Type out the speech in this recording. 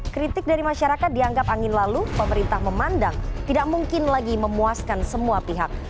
kritik dari masyarakat dianggap angin lalu pemerintah memandang tidak mungkin lagi memuaskan semua pihak